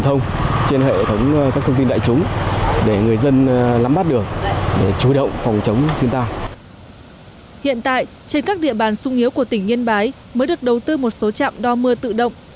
hiện tại trên các địa bàn sung yếu của tỉnh yên bái mới được đầu tư một số trạm đo mưa tự động